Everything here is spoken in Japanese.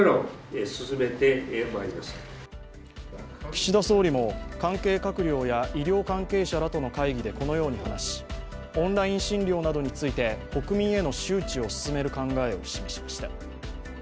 岸田総理も関係閣僚や医療関係者らとの会議でこのように話し、オンライン診療などについて国民への周知を進める考えを示しました。